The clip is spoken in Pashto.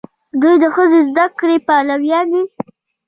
دوی د ښځو د زده کړې پلویان دي.